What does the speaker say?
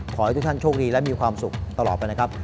ขอให้ทุกท่านโชคดีและมีความสุขตลอดไปนะครับ